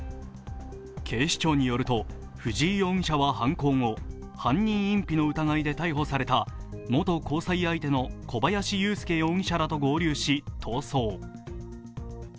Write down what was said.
警視庁によると藤井容疑者は犯行後、犯人隠避の疑いで逮捕された元交際相手の小林優介容疑者らと合流し、逃走。